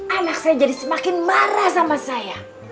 anak saya jadi semakin marah sama saya